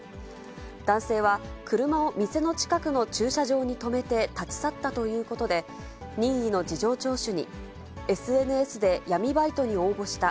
男性は、車を店の近くの駐車場に止めて立ち去ったということで、任意の事情聴取に、ＳＮＳで闇バイトに応募した。